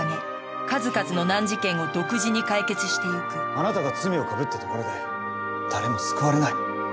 あなたが罪をかぶったところで誰も救われない。